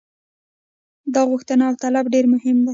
دا غوښتنه او طلب ډېر مهم دی.